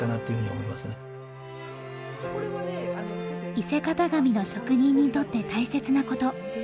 伊勢型紙の職人にとって大切なこと。